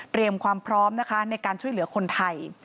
ความพร้อมนะคะในการช่วยเหลือคนไทย